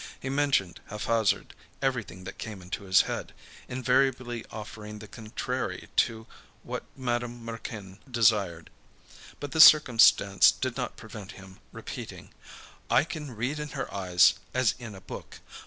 He mentioned, haphazard, everything that came into his head, invariably offering the contrary to what Madame Raquin desired. But this circumstance did not prevent him repeating: "I can read in her eyes as in a book.